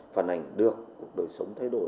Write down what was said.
phản ảnh được cuộc đời sống thay đổi